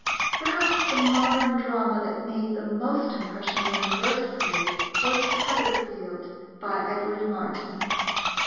Perhaps the modern drama that made the most impression when first played was The Heather Field, by Edward Martyn.